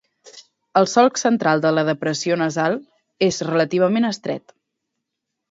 El solc central de la depressió nasal és relativament estret.